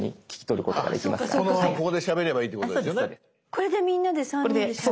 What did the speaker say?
これでみんなで３人でしゃべる。